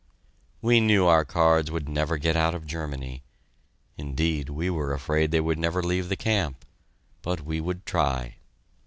We knew our cards would never get out of Germany; indeed, we were afraid they would never leave the camp, but we would try.